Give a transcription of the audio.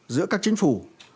giữa các chính phủ